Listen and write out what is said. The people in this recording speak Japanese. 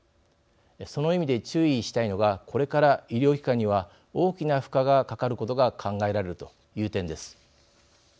その意味で注意したいのがこれから医療機関には大きな負荷がかかることが考えられるという点です。